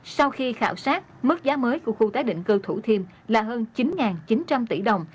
sau khi khảo sát mức giá mới của khu tái định cư thủ thiêm là hơn chín chín trăm linh tỷ đồng